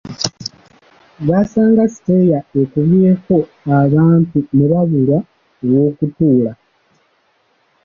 Baasanga siyeta ekubyeko abantu ne babulwa ew’okutuula.